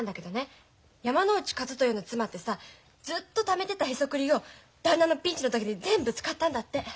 山内一豊の妻ってさずっとためてたへそくりを旦那のピンチの時に全部使ったんだって。